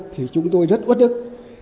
thì chúng tôi rất ướt ức